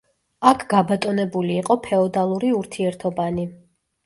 აქ გაბატონებული იყო ფეოდალური ურთიერთობანი.